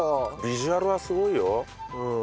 ビジュアルはすごいよ。